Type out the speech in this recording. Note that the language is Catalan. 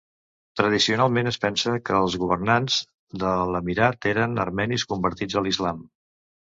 Tradicionalment es pensa que els governants de l'emirat eren armenis convertits a l'islam.